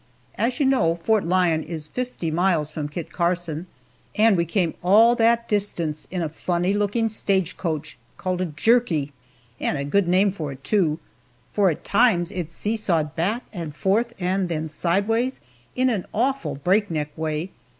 As you know, Fort Lyon is fifty miles from Kit Carson, and we came all that distance in a funny looking stage coach called a "jerkey," and a good name for it, too, for at times it seesawed back and forth and then sideways, in an awful breakneck way.